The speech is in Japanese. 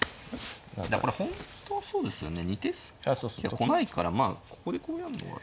これ本当はそうですよね二手すき来ないからまあここでこうやんのは。